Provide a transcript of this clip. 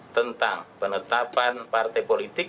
tentang penetapan partai politik